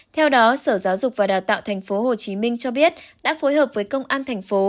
theo đó sở giáo dục và đào tạo tp hcm cho biết đã phối hợp với công an thành phố